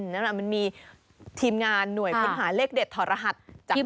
นั่นอ่ะมันมีทีมงานหน่วยคุณหาเลขเด็ดทรภรรรภ์